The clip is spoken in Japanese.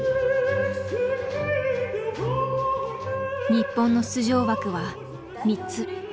日本の出場枠は３つ。